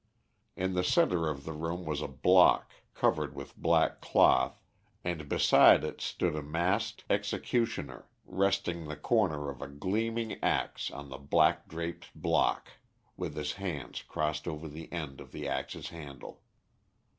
In the centre of the room was a block covered with black cloth, and beside it stood a masked executioner resting the corner of a gleaming axe on the black draped block, with his hands crossed over the end of the axe's handle.